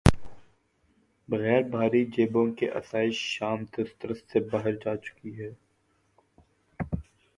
بغیر بھاری جیبوں کے آسائش شام دسترس سے باہر جا چکی ہیں۔